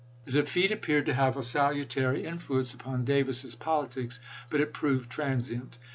The defeat appeared to have a salutary influence upon Davis's politics, but it proved transient.